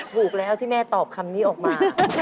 ถูกแล้วที่แม่ตอบคำนี้ออกมา